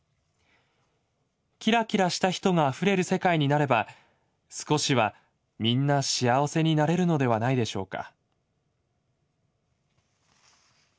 キラキラした人があふれる世界になれば少しはみんな幸せになれるのではないでしょうか」。